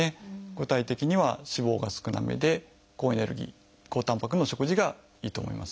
具体的には脂肪が少なめで高エネルギー高たんぱくの食事がいいと思います。